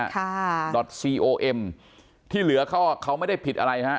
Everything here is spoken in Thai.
ค่ะดอทซีโอเอ็มที่เหลือก็เขาไม่ได้ผิดอะไรฮะ